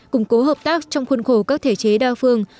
củng cố hợp tác trong khuôn khổ các thể chế đa phương